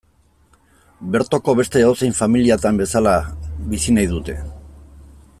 Bertoko beste edozein familiatan bezala bizi nahi dute.